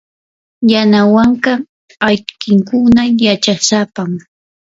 yanawanka awkinkuna yachaysapam.